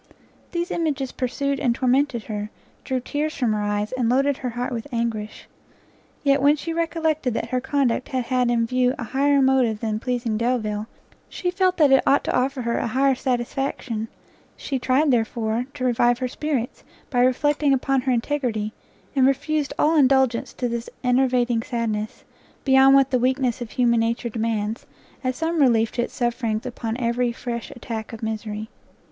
These images pursued and tormented her, drew tears from her eyes, and loaded her heart with anguish. Yet, when she recollected that her conduct had had in view an higher motive than pleasing Delvile, she felt that it ought to offer her an higher satisfaction; she tried, therefore, to revive her spirits, by reflecting upon her integrity, and refused all indulgence to this enervating sadness, beyond what the weakness of human nature demands, as some relief to its sufferings upon every fresh attack of misery.